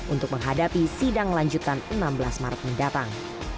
untuk menghadapi sidang lanjutan enam belas maret mendatang